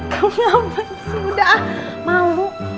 kamu ngapain sih udah ah